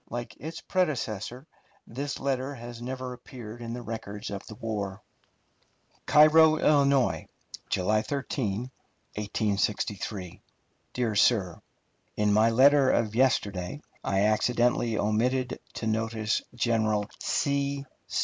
Like its predecessor, this letter has never appeared in the records of the war: CAIRO, ILL., July 13, 1863. DEAR SIR: In my letter of yesterday I accidentally omitted to notice General C.